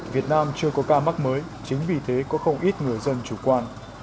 việt nam chưa có ca mắc mới chính vì thế có không ít người dân chủ quan